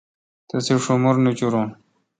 تسے°شمور نچُورِن